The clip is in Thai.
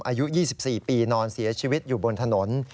อายุ๒๔ปีนอนเสียชีวิตอยู่บนถนน